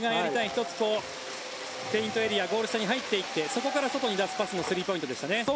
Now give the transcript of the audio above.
１つペイントエリアゴール下に入っていってそこから外に出すスリーポイントでしたね。